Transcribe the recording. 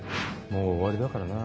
もう終わりだからな。